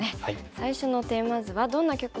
最初のテーマ図はどんな局面なんでしょうか。